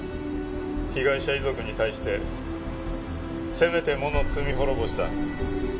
被害者遺族に対してせめてもの罪滅ぼしだ。